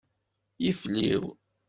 Yifliw.